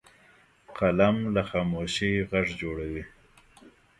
قلم له خاموشۍ غږ جوړوي